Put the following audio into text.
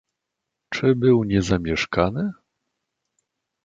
"„Czy był niezamieszkany?"